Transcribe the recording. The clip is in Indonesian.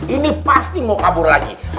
ini pasti mau kabur lagi